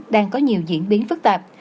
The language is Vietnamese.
đang có nhiều diễn biến phức tạp